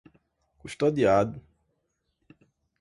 custodiado